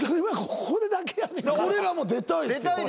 俺らも出たいですよ。